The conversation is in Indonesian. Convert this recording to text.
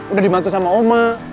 udah dimantu sama oma